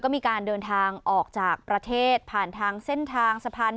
มีการเดินทางออกจากประเทศผ่านทางเส้นทางสะพาน